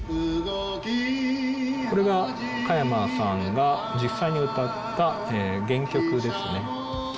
これが加山さんが実際に歌った原曲ですね。